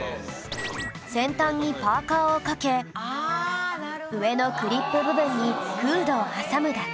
先端にパーカーをかけ上のクリップ部分にフードを挟むだけ